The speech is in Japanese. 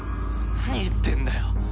何言ってんだよ。